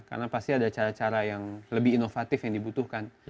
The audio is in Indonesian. karena pasti ada cara cara yang lebih inovatif yang diperlukan